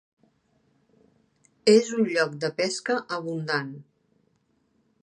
És un lloc de pesca abundant.